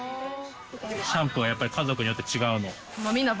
シャンプーはやっぱり家族によってやっぱり違うの？